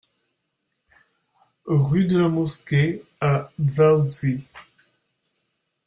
RUE DE LA MOSQUEE à Dzaoudzi